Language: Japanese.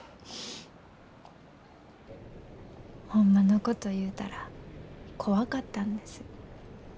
ホンマのこと言うたら怖かったんです。